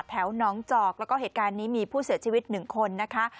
น้องจอกแล้วก็เหตุการณ์นี้มีผู้เสียชีวิตหนึ่งคนนะคะ